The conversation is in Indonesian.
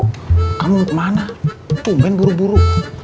kamu mau kemana tumben buru buru